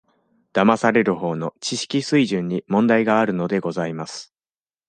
だまされるほうの、知識水準に問題があるのでございます。